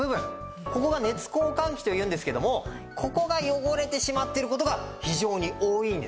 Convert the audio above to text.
ここが熱交換器というんですけどもここが汚れてしまっている事が非常に多いんですね。